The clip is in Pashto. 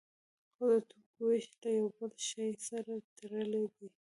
خو د توکو ویش له یو بل شی سره تړلی دی.